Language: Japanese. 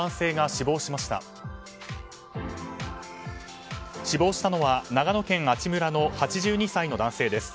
死亡したのは、長野県阿智村の８２歳の男性です。